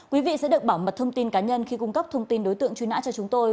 quý vị sẽ được bảo mật thông tin cá nhân khi cung cấp thông tin đối tượng truy nã cho chúng tôi